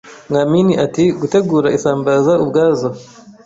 mwamini ati gutegura isambaza ubwazo,